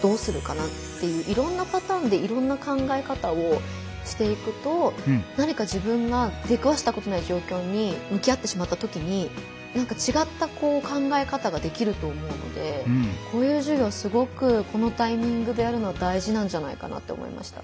いろんな考え方をしていくと何か自分が出くわしたことのない状況にむき合ってしまったときに何か違った考え方ができると思うのでこういう授業すごくこのタイミングでやるの大事なんじゃないかなって思いました。